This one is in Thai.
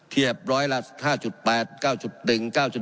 เทียบ๑๐๐ละ๕๘